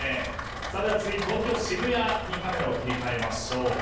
では続いて東京・渋谷にカメラを切り替えましょう。